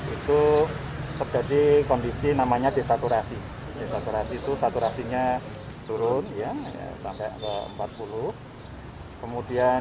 itu terjadi kondisi namanya desaturasi desaturasi itu saturasinya turun ya sampai ke empat puluh kemudian